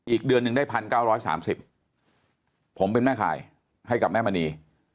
อีกเดือนหนึ่งได้๑๙๓๐ผมเป็นแม่ขายให้กับแม่มณี